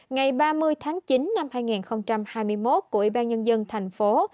ngày ba mươi tháng chín năm hai nghìn hai mươi một của ủy ban nhân dân thành phố